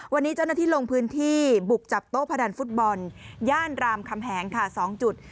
วันนี้เจ้าหน้าที่ลงพื้นที่บุกจับโต๊ะพนันฟุตบอลย่านรามคำแหงค่ะ๒จุด